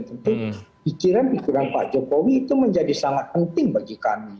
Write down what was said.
dan tentu pikiran pikiran pak jokowi itu menjadi sangat penting bagi kami